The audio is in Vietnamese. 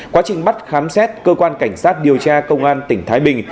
quá trình bắt khám xét cơ quan cảnh sát điều tra công an tỉnh thái bình